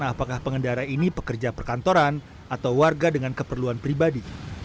apakah pengendara ini pekerja perkantoran atau warga dengan keperluan pribadi